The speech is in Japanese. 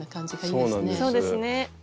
そうですね。